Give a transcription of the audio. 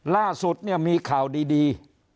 ล่าสุดเนี่ยมีข่าวดี